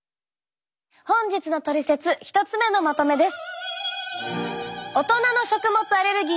本日のトリセツ１つ目のまとめです。